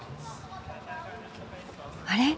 あれ？